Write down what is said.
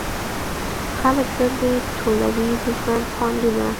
خلک ګرځي ټولوي له ژوند خوندونه